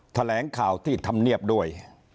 แถลงข่าวที่ธรรมเนียบด้วย